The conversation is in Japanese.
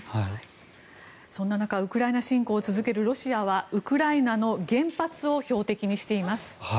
そんな中ウクライナ侵攻を続けるロシアはウクライナの原発を標的にしています。